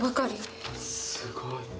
すごい。